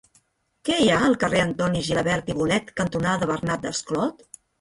Què hi ha al carrer Antoni Gilabert i Bonet cantonada Bernat Desclot?